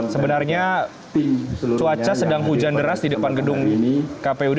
sebenarnya cuaca sedang hujan deras di depan gedung ini kpud